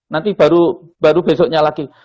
nanti baru besoknya lagi